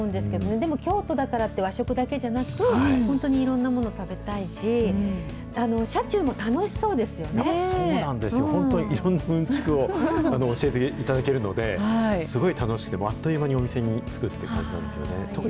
でも京都だからって和食だけじゃなく、本当にいろんなもの食べたそうなんですよ、本当にいろんなうんちくを教えていただけるので、すごい楽しくて、あっという間にお店に着くって感じなんですよね。